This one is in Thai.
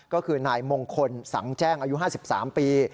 ก็คือนายมงคลสังแจ้งอายุ๕๓ปี